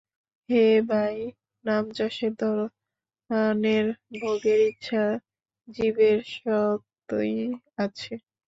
হে ভাই, নামযশের ধনের ভোগের ইচ্ছা জীবের স্বতই আছে।